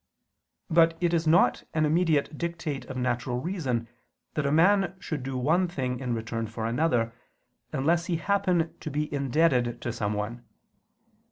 But it is not an immediate dictate of natural reason that a man should do one thing in return for another, unless he happen to be indebted to someone.